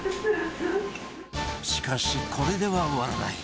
しかしこれでは終わらない